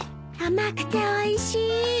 甘くておいしい。